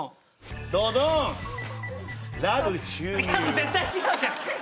絶対違うじゃん！